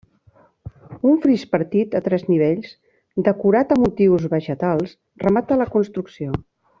Un fris partit a tres nivells decorat amb motius vegetals remata la construcció.